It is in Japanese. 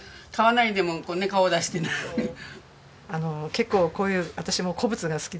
結構こういう私も古物が好きで。